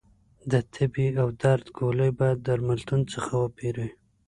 د تبې او درد ګولۍ باید درملتون څخه وپېری